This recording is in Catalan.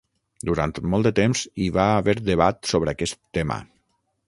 Durant molt de temps hi va haver debat sobre aquest tema.